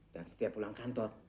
dan setiap pulang kantor